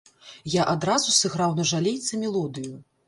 Я адразу сыграў на жалейцы мелодыю.